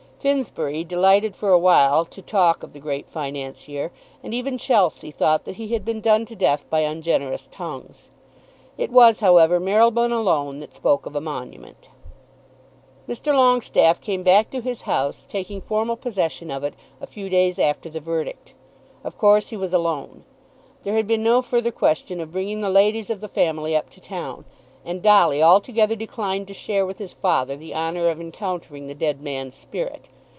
Finsbury delighted for a while to talk of the great Financier, and even Chelsea thought that he had been done to death by ungenerous tongues. It was, however, Marylebone alone that spoke of a monument. Mr. Longestaffe came back to his house, taking formal possession of it a few days after the verdict. Of course he was alone. There had been no further question of bringing the ladies of the family up to town; and Dolly altogether declined to share with his father the honour of encountering the dead man's spirit.